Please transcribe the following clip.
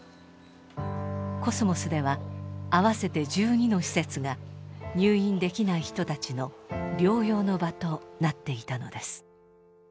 コスモスでは合わせて１２の施設が入院できない人たちの療養の場となっていたのです。